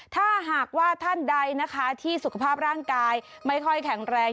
ถ้าหากว่าท่านใดนะคะที่สุขภาพร่างกายไม่ค่อยแข็งแรง